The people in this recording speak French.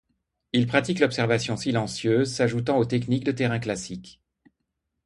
Il pratique l'observation silencieuse s'ajoutant aux techniques de terrain classiques.